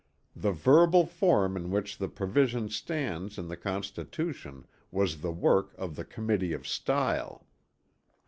The verbal form in which the provision stands in the Constitution was the work of the Committee of Style.